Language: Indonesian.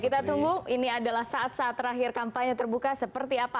kita tunggu ini adalah saat saat terakhir kampanye terbuka seperti apa